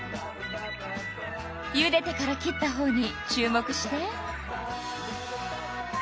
ゆでてから切ったほうに注目して。